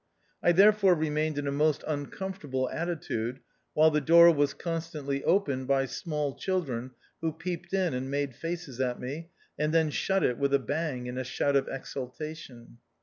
I therefore remained in a most uncomfort able attitude, while the door was constantly opened by small children who peeped in and made faces at me, and then shut it with a bang and a shout of exultation.